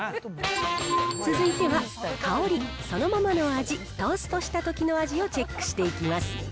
続いては香り、そのままの味、トーストしたときの味をチェックしていきます。